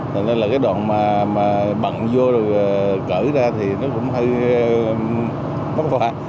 nên là cái đoạn mà bận vô rồi cởi ra thì nó cũng hơi mất phòa